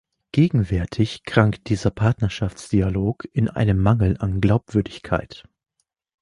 Gegenwärtig krankt dieser Partnerschaftsdialog an einem Mangel an Glaubwürdigkeit.